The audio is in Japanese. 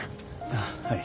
あっはい。